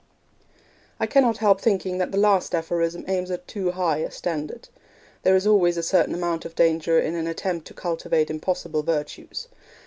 I cannot help thinking that the last aphorism aims at too high a standard. There is always a certain amount of danger in any attempt to cultivate impossible virtues.